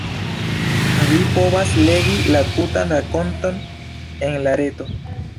Vi povas legi la tutan rakonton en la reto.